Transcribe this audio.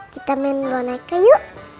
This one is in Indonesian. kita main boneka yuk